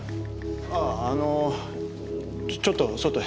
あっあのちょっと外へ。